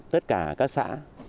tất cả các xã